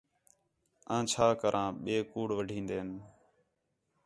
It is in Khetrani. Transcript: آں چھا کراں ٻئے کوڑ وڈھین٘دِن